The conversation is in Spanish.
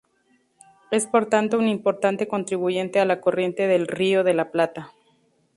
Es por tanto un importante contribuyente a la corriente del Río de la Plata.